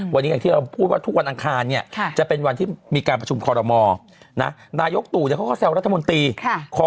วันนี้อย่างที่เราพูดว่าทุกวันอังคารเนี่ยจะเป็นวันที่มีการประชุมคอรมอนะนายกตู่เขาก็แซวรัฐมนตรี